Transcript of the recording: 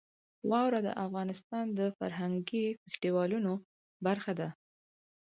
واوره د افغانستان د فرهنګي فستیوالونو برخه ده.